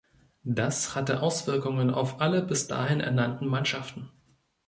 Das hatte Auswirkungen auf alle bis dahin ernannten Mannschaften.